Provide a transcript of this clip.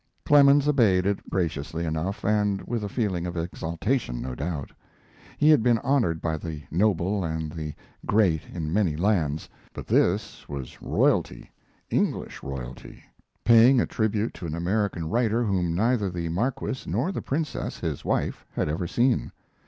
Clemens obeyed it graciously enough, and with a feeling of exaltation no doubt. He had been honored by the noble and the great in many lands, but this was royalty English royalty paying a tribute to an American writer whom neither the Marquis nor the Princess, his wife, had ever seen.